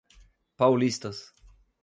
Paulistas